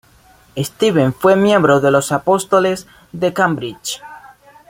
Stephen fue miembro de los Apóstoles de Cambridge.